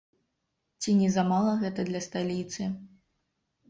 Ці не замала гэта для сталіцы?